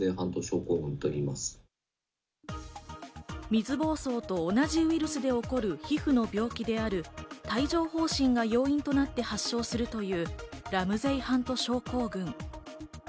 水ぼうそうと同じウイルスで起こる皮膚の病気である帯状疱疹が要因となって発症するというラムゼイハント症候群。